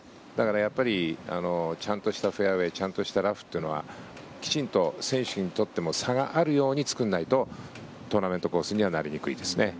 やっぱりちゃんとしたフェアウェーちゃんとしたラフというのはきちんと選手にとっても差があるように作らないとトーナメントコースにはなりにくいですよね。